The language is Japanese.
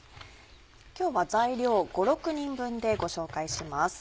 今日は材料５６人分でご紹介します。